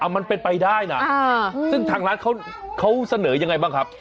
มันเป็นไปได้นะซึ่งทางร้านเขาเสนอยังไงบ้างครับ